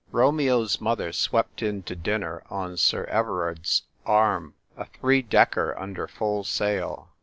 Romeo's mother swept in to dinner on Sir Everard's arm, a three decker under full sail.